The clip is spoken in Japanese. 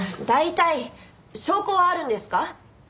大体証拠はあるんですか？